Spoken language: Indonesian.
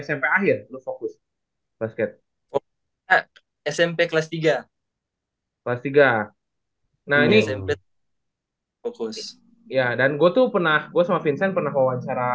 smp akhir s p kelas tiga kelas tiga nah ini fokus ya dan gue tuh pernah gua sama vincent perawancara